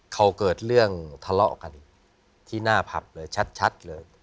เขาเกิดเรื่องทะเลาะกันอีกที่หน้าผับเลยชัดเลย